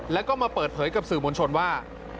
แล้วก็มาเปิดเผยกับสื่อมวลชนว่า